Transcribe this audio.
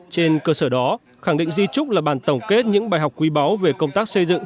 trên cơ sở đó khẳng định di trúc là bàn tổng kết những bài học quý báu về công tác xây dựng